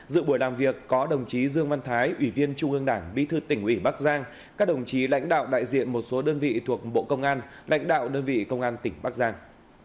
dự buổi làm việc có đồng chí dương văn thái ủy viên trung ương đảng bí thư tỉnh ủy bắc giang các đồng chí lãnh đạo đại diện một số đơn vị thuộc bộ công an lãnh đạo đơn vị công an tỉnh bắc giang